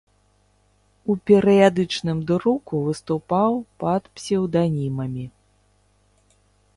У перыядычным друку выступаў пад псеўданімамі.